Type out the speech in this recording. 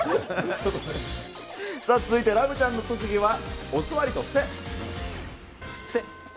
続いてラブちゃんの特技はお伏せ。